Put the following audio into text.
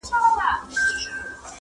چي تندي كي دي سجدې ورته ساتلې!!